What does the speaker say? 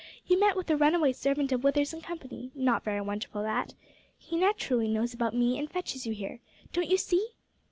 You met with a runaway servant of Withers and Company not very wonderful that. He naturally knows about me and fetches you here. Don't you see?"